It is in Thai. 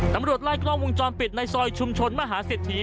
ตำรวจไล่กล้องวงจรปิดในซอยชุมชนมหาเศรษฐี